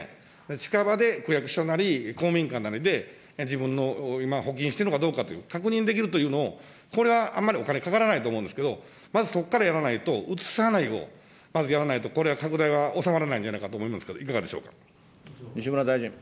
近場で区役所なり、公民館なりで自分の今、保菌してるのかどうかという確認できるというのを、これはあまりお金かからないと思うんですけど、まずそこからやらないと、うつさないをまずやらないと、これは拡大は収まらないんじゃないかと思いますけど、いかがでしょう。